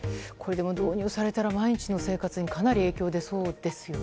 導入されたら毎日の生活にかなり影響が出そうですよね。